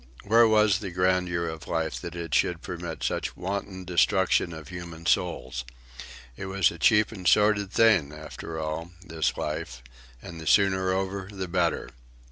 Where was the grandeur of life that it should permit such wanton destruction of human souls? It was a cheap and sordid thing after all, this life, and the sooner over the better.